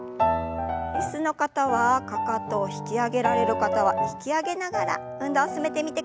椅子の方はかかとを引き上げられる方は引き上げながら運動を進めてみてください。